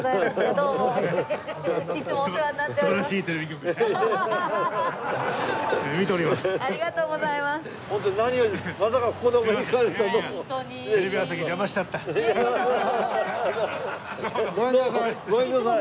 どうもごめんください。